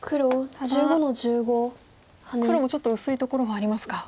ただ黒もちょっと薄いところはありますか。